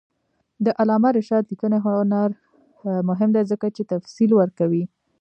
د علامه رشاد لیکنی هنر مهم دی ځکه چې تفصیل ورکوي.